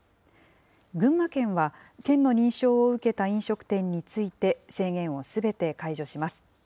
群馬県は、県の認証を受けた飲食店について、制限をすべて解除します。